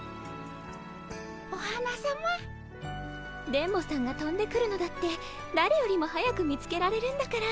電ボさんがとんでくるのだってだれよりも早く見つけられるんだから。